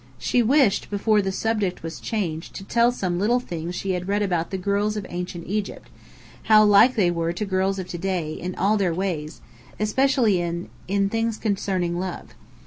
She wished, before the subject was changed, to tell some little things she had read about the girls of Ancient Egypt, how like they were to girls of to day, in all their ways, especially in in things concerning love.